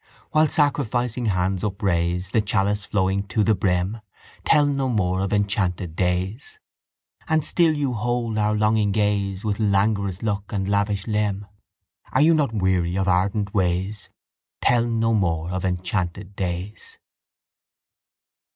While sacrificing hands upraise The chalice flowing to the brim. Tell no more of enchanted days. And still you hold our longing gaze With languorous look and lavish limb! Are you not weary of ardent ways? Tell no more of enchanted days.